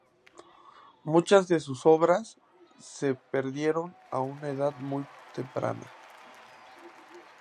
Muchas de sus obras se perdieron a una edad muy temprana.